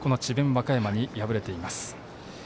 和歌山に敗れています。